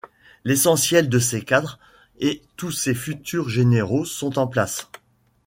L'essentiel de ses cadres et tous ses futurs généraux sont en place.